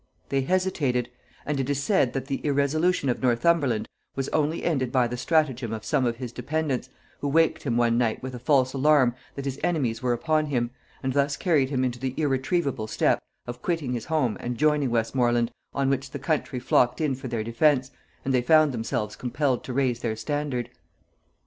They hesitated; and it is said that the irresolution of Northumberland was only ended by the stratagem of some of his dependents, who waked him one night with a false alarm that his enemies were upon him, and thus hurried him into the irretrievable step of quitting his home and joining Westmorland, on which the country flocked in for their defence, and they found themselves compelled to raise their standard.